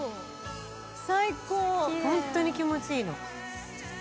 「最高」「ホントに気持ちいいの」